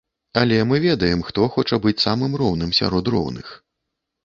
Але мы ведаем, хто хоча быць самым роўным сярод роўных.